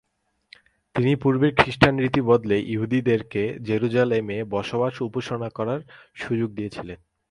তিনি পূর্বের খ্রিষ্টান রীতি বদলে ইহুদিদেরকে জেরুজালেম এ বসবাস ও উপাসনা করার সুযোগ দিয়েছিলেন।